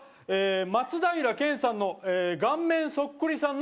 「松平健さんの顔面そっくりさんの」